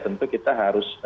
tentu kita harus